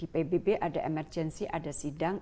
pbb ada emergensi ada sidang